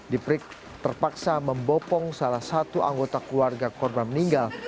diperiksa terpaksa membopong salah satu anggota keluarga korban meninggal